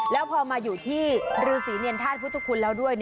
แล้วพอมาอยู่ที่ฤาษีเนต้านพุทธคุณแล้วด้วย